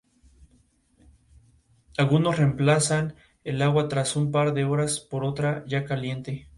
Fue sepultado en el cementerio de Oakwood en su pueblo natal Beloit.